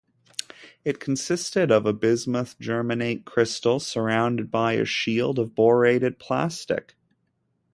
It consisted of a bismuth germanate crystal surrounded by a shield of borated plastic.